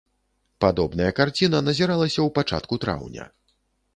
Падобная карціна назіралася ў пачатку траўня.